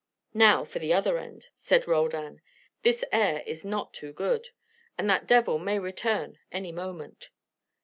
"Now for the other end," said Roldan. "This air is not too good. And that devil may return any moment."